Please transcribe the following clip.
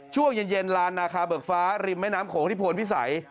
ช่วงเย็นลานนาคาเบิกฟ้าริมแม่น้ำโขงที่พลพิสัย